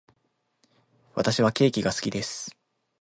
私はケーキが好きです。